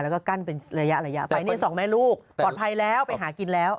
แล้วก็กั้นเป็นระยะระยะไปนี่สองแม่ลูกปลอดภัยแล้วไปหากินแล้ว